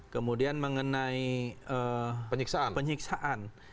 kemudian mengenai penyiksaan